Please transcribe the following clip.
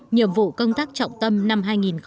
nhiệm vụ công tác trọng tâm năm hai nghìn một mươi tám